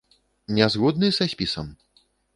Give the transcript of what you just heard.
Не згодны са спісам?